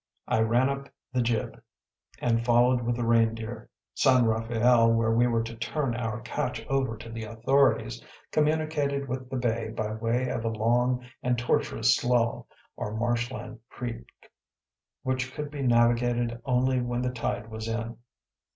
I ran up the jib and followed with the Reindeer. San Rafael, where we were to turn our catch over to the authorities, communicated with the bay by way of a long and tortuous slough, or marshland creek, which could be navigated only when the tide was in.